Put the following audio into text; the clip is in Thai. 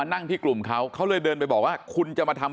มันต้องการมาหาเรื่องมันจะมาแทงนะ